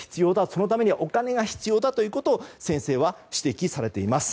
そのためにはお金が必要だということを先生は指摘されています。